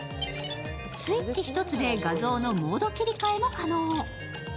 スイッチ一つで画像のモード切り替えも可能。